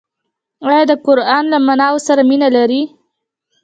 انا د قران له معناوو سره مینه لري